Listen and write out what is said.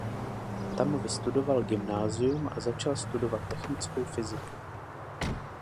Tam vystudoval gymnázium a začal studovat technickou fyziku.